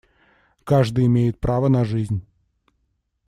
Каждый имеет право на жизнь.